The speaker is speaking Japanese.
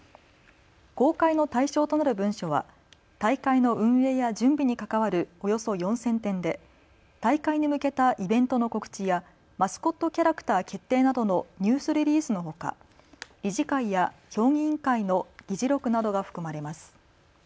公開の対象となる文書は大会の運営や準備に関わるおよそ４０００点で大会に向けたイベントの告知やマスコットキャラクター決定などのニュースリリースのほか理事会や評議委員会の議事録などが含まれます。